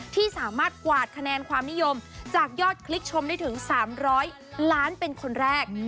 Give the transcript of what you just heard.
ที่สามารถกวาดคะแนนความนิยมจากยอดคลิกชมได้ถึง๓๐๐ล้านเป็นคนแรก